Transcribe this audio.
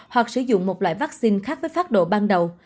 hoặc sử dụng một loại vaccine khác với phát độ ban đầu